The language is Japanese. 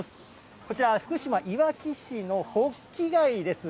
こちら、福島・いわき市のホッキ貝です。